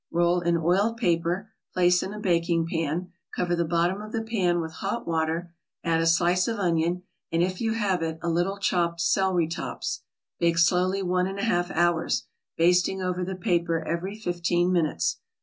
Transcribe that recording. Roll in oiled paper, place in a baking pan, cover the bottom of the pan with hot water, add a slice of onion, and, if you have it, a little chopped celery tops. Bake slowly one and a half hours, basting over the paper every fifteen minutes.